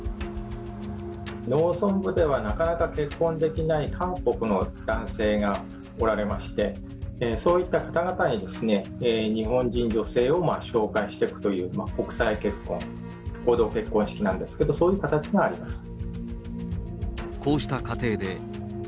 農村部ではなかなか結婚できない韓国の男性がおられまして、そういった方々に日本人女性を紹介していくという国際結婚、合同結婚式なんですけど、そういう形があります。